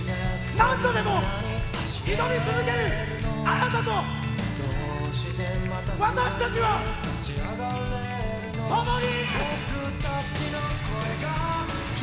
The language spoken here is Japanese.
何度でも、挑み続けるあなたと、私たちは共に！